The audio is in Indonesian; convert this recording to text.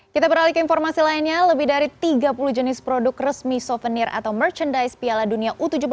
kita beralih ke informasi lainnya lebih dari tiga puluh jenis produk resmi souvenir atau merchandise piala dunia u tujuh belas